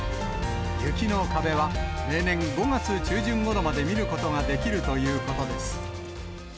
雪の壁は例年５月中旬ごろまで見ることができるということです。